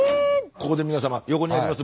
ここで皆様横にあります